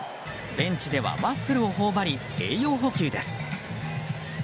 ベンチでは、ワッフルを頬張り栄養補給です。